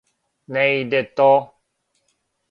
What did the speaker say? Не иде то.